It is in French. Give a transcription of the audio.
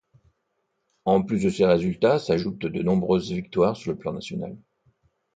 En plus de ces résultats s'ajoutent de nombreuses victoires sur le plan national.